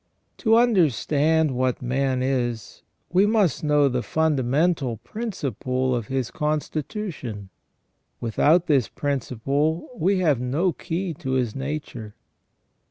To understand what man is, we must know the fundamental principle of his constitution. Without this principle we have no key to his nature.